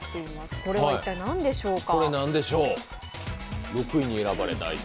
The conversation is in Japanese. これは一体何でしょうか。